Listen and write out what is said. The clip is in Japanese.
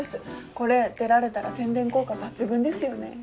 これ出られたら宣伝効果抜群ですよね。